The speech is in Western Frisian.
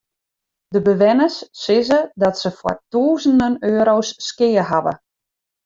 De bewenners sizze dat se foar tûzenen euro's skea hawwe.